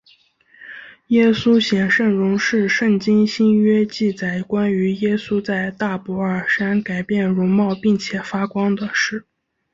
耶稣显圣容是圣经新约记载关于耶稣在大博尔山改变容貌并且发光的事。